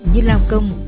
như lao công